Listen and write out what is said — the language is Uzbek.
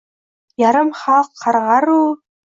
Yarim xalq qarg’aru